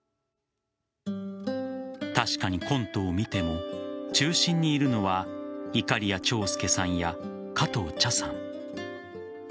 確かに、コントを見ても中心にいるのはいかりや長介さんや加藤茶さん。